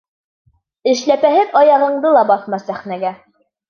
Эшләпәһеҙ аяғыңды ла баҫма сәхнәгә!